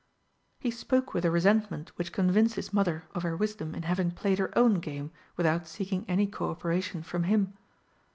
He spoke with a resentment which convinced his Mother of her wisdom in having played her own game without seeking any co operation from him.